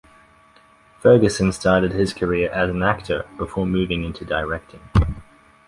Ferguson started his career as an actor, before moving into directing.